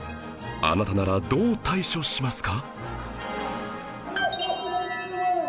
あなたならどう対処しますか？